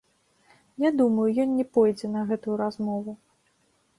Я думаю, ён не пойдзе на гэтую размову.